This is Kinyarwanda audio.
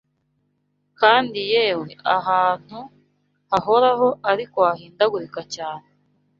Kandi yewe ahantu hahoraho, ariko hahindagurika cyane